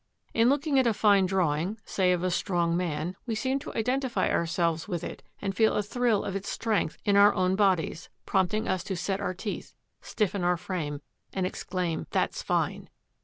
In looking at a fine drawing, say of a strong man, we seem to identify ourselves with it and feel a thrill of its strength in our own bodies, prompting us to set our teeth, stiffen our frame, and exclaim "That's fine."